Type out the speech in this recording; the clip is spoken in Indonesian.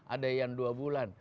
ada yang dua bulan